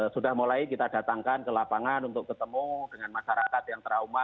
sudah mulai kita datangkan ke lapangan untuk ketemu dengan masyarakat yang trauma